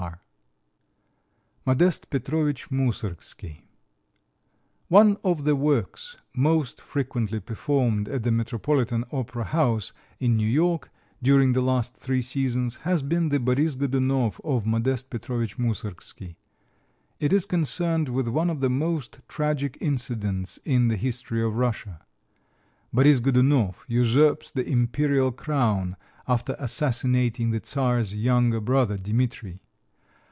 Moussorgsky and Musical Nihilism [Illustration: MODESTE PETROVICH MOUSSORGSKY] One of the works most frequently performed at the Metropolitan Opera House in New York during the last three seasons has been the "Boris Godounov" of Modeste Petrovich Moussorgsky. It is concerned with one of the most tragic incidents in the history of Russia. Boris Godounov usurps the imperial crown after assassinating the Czar's younger brother, Dimitri.